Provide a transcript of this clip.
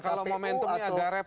ya kalau momentumnya agak repot